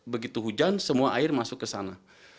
begitu hujan semua air masuk ke sana